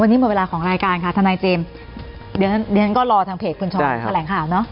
วันนี้หมดเวลาของรายการค่ะทนายเจมส์เดี๋ยวดิฉันก็รอทางเพจคุณช้อนแถลงข่าวเนอะ